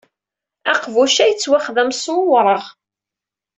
Aqbuc-a yettwaxdem s wureɣ.